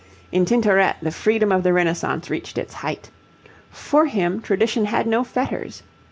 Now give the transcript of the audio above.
In Tintoret the freedom of the Renaissance reached its height. For him tradition had no fetters.